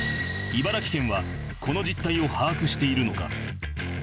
茨城県はこの実態を把握しているのか？